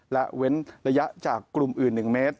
และเว้นระยะจากกลุ่มอื่น๑เมตร